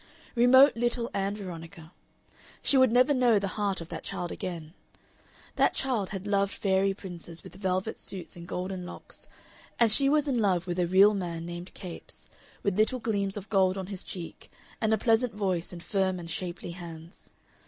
Remote little Ann Veronica! She would never know the heart of that child again! That child had loved fairy princes with velvet suits and golden locks, and she was in love with a real man named Capes, with little gleams of gold on his cheek and a pleasant voice and firm and shapely hands.